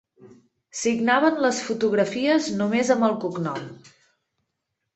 Signaven les fotografies només amb el cognom.